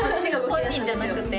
本人じゃなくて」